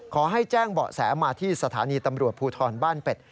ขอให้แจ้งเบาะแสมาที่สถานีตำรวจภูทรบ้านเป็ด